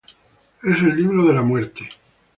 Es el Libro de la muerte.